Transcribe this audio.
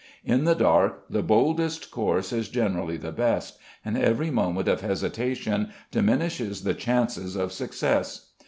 In the dark the boldest course is generally the best, and every moment of hesitation diminishes the chances of success.